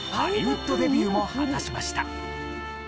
ハリウッドデビューも果たしました。